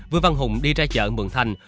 vừa văn hùng đi ra chợ mường thành